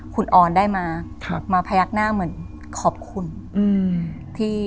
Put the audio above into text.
คุณออนได้มามาพยักหน้าเหมือนขอบคุณที่